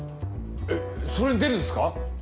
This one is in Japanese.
えっそれに出るんですか？